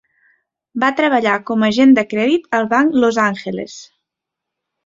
Va treballar com a agent de crèdit al banc Los Angeles.